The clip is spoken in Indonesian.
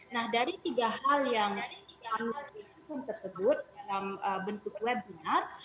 nah dari tiga hal yang kami lakukan tersebut dalam bentuk webinar